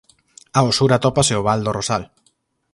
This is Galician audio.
Ao sur atópase o val do Rosal.